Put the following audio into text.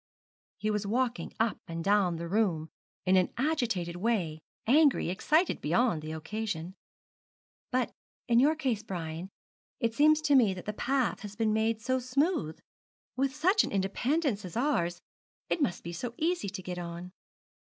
He was walking up and down the room in an agitated way, angry, excited beyond the occasion. 'But in your case, Brian, it seems to me that the path has been made so smooth. With such an independence as ours, it must be so easy to get on.'